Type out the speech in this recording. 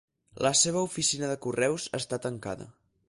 La seva oficina de correus està tancada.